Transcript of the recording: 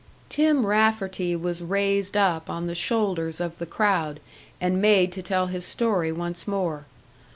Tim Rafferty was raised up on the shoulders of the crowd and made to tell his story once more.